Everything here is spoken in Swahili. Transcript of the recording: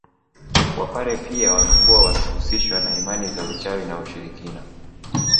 Wapare pia wamekuwa wakihusishwa na imani za uchawi na ushirikina